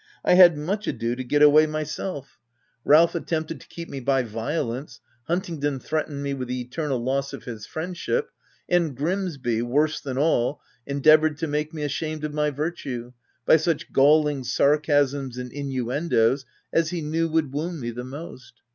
" I had much ado to get away my 224 THE TENANT self. Ralph attempted to keep me by violence ; Huntingdon threatened me with the eternal loss of his friendship ; and Grimsby, worse than all, endeavoured to make me ashamed of my virtue, by such galling sarcasms and inuendos as he knew would wound me the most.